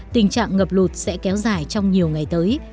tình trạng ngập lụt sẽ kéo dài trong nhiều ngày tới